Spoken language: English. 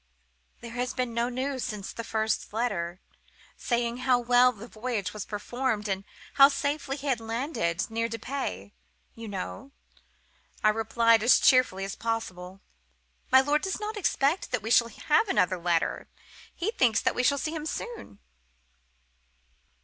"'There has been no news since the first letter, saying how well the voyage was performed, and how safely he had landed—near Dieppe, you know,' I replied as cheerfully as possible. 'My lord does not expect that we shall have another letter; he thinks that we shall see him soon.